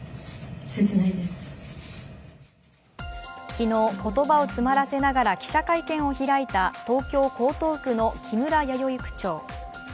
昨日、言葉を詰まらせながら記者会見を開いた東京・江東区の木村弥生区長。